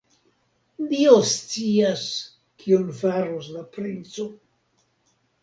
Dio scias, kion farus la princo!